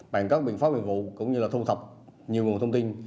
bằng các biện pháp nghiệp vụ cũng như là thu thập nhiều nguồn thông tin